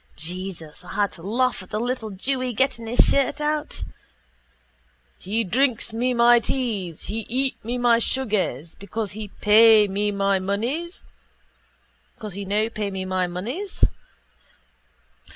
Jesus, I had to laugh at the little jewy getting his shirt out. _He drink me my teas. He eat me my sugars. Because he no pay me my moneys?